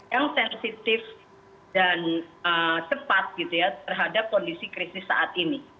yang sensitif dan cepat terhadap kondisi krisis saat ini